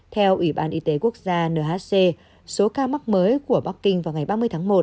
theo ủy ban y tế quốc gia nhc số ca mắc mới của bắc kinh vào ngày ba mươi tháng một